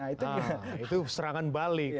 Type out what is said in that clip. itu serangan balik